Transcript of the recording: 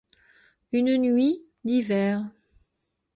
Une nuit d'hiver.